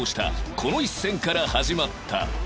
この一戦から始まった